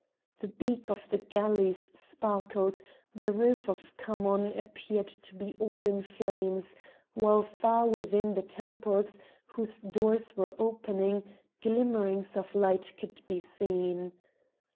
The beaks of the galleys sparkled, the roof of Khamon appeared to be all in flames, while far within the temples, whose doors were opening, glimmerings of light could be seen.